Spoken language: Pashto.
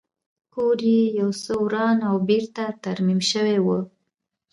کور یې یو څه وران او بېرته ترمیم شوی و